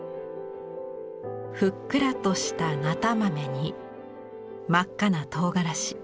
ふっくらとしたなた豆に真っ赤なとうがらし。